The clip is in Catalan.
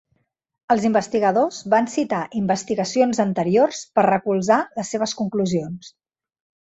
Els investigadors van citar investigacions anteriors per recolzar les seves conclusions.